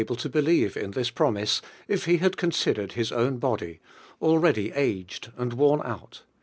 c to believe in this promise if he had considered his own body, already aged and worn out.